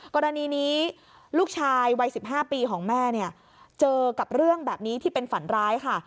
กรณีนี้ลูกชายวัย๑๕ปีของแม่เนี่ยเจอกับเรื่องแบบนี้ที่เป็นฝันร้ายค่ะ